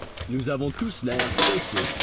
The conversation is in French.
Nous avons tous l'air pressé.